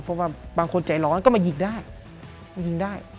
เพราะว่าบางคนใจร้อนก็มายิงได้มายิงได้